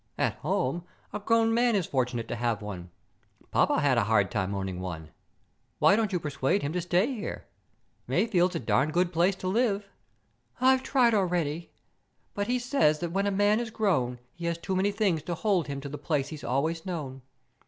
At home, a grown man is fortunate to have one. Papa had a very hard time owning one." "Why don't you persuade him to stay here? Mayfield's a darn good place to live." "I've tried already, but he says that when a man is grown he has too many things to hold him to the place he's always known.